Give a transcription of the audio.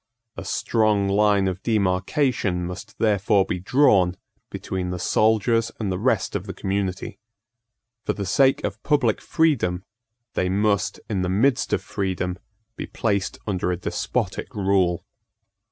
A strong line of demarcation must therefore be drawn between the soldiers and the rest of the community. For the sake of public freedom, they must, in the midst of freedom, be placed under a despotic rule.